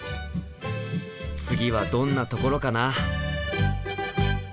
次はどんなところかな。